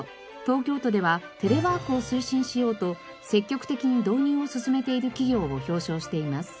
東京都ではテレワークを推進しようと積極的に導入を進めている企業を表彰しています。